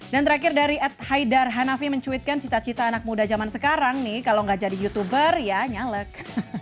dan terakhir dari ed haidar hanafi mencuitkan cita cita anak muda zaman sekarang nih kalau gak jadi youtuber ya caleg